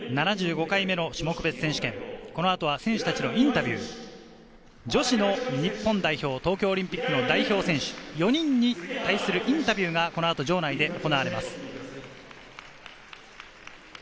この後は選手たちのインタビュー、女子の日本代表、東京オリンピックの代表選手４人に対するインタビューが場内で行われます。